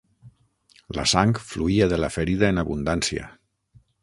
La sang fluïa de la ferida en abundància.